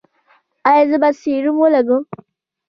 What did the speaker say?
ایا زه باید سیروم ولګوم؟